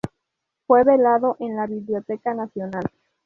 Fue velado en la Biblioteca Nacional.